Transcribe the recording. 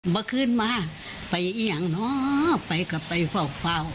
เมื่อคืนมาไปเอี่ยงเนาะไปกลับไปเฝ้า